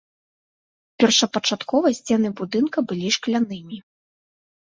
Першапачаткова сцены будынка былі шклянымі.